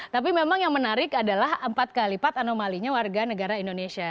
tapi memang yang menarik adalah empat kali lipat anomalinya warga negara indonesia